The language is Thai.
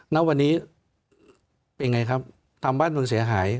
น้าวันนี้ไปไงครับทำบ้านพวกเสียหาย